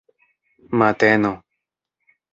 mateno